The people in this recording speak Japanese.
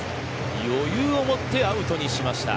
余裕を持ってアウトにしました。